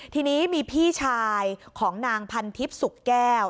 ทีนี้มีพี่ชายของนางพันทิพย์สุกแก้ว